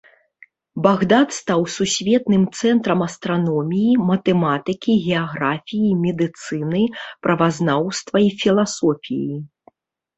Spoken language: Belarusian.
Багдад стаў сусветным цэнтрам астраноміі, матэматыкі, геаграфіі, медыцыны, правазнаўства і філасофіі.